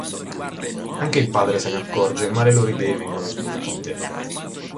Anche il padre se ne accorge, ma le loro idee vengono smentite.